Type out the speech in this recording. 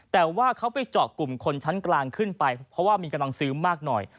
แต่ว่าเขาไปเจาะกลุ่มคนชั้นกลางขึ้นไปเพราะว่ามีกำลังซื้อมากหน่อย